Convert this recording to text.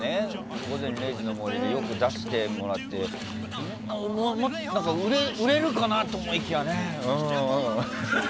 「午前０時の森」によく出してもらって売れるかなと思いきやね。